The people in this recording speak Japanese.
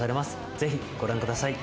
ぜひご覧ください。